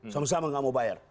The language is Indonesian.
sama sama nggak mau bayar